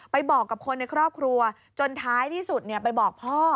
บอกกับคนในครอบครัวจนท้ายที่สุดไปบอกพ่อ